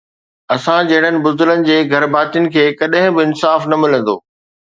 اسان جهڙن بزدلن جي گهر ڀاتين کي ڪڏهن به انصاف نه ملندو